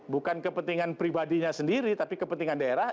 bukan kepentingan pribadinya sendiri tapi kepentingan daerah